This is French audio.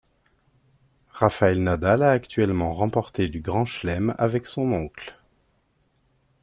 Rafael Nadal a actuellement remporté du Grand Chelem avec son oncle.